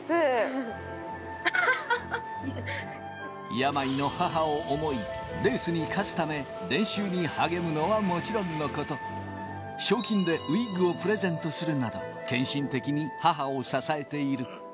病の母を思い、レースに勝つため練習に励むのはもちろんのこと、賞金でウイッグをプレゼントするなど、献身的に母を支えている。